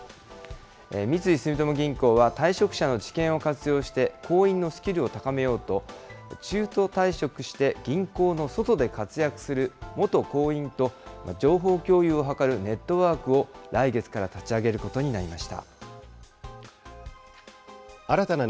三井住友銀行は、退職者の知見を活用して行員のスキルを高めようと、中途退職して銀行の外で活躍する元行員と、情報共有を図るネットワークを来月から立ち上げることになりまし